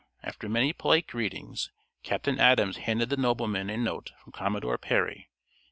After many polite greetings Captain Adams handed the nobleman a note from Commodore Perry.